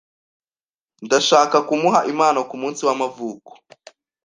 Ndashaka kumuha impano kumunsi w'amavuko.